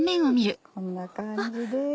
こんな感じです。